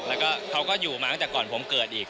แล้วก็เขาก็อยู่มาตั้งแต่ก่อนผมเกิดอีก